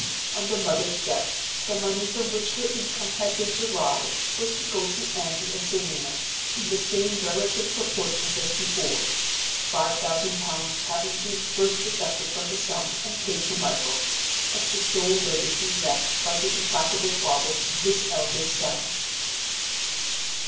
On the mother's death, the money from which her income had been derived was to go to Andrew and Selina, in the same relative proportions as before—five thousand pounds having been first deducted from the sum and paid to Michael, as the sole legacy left by the implacable father to his eldest son.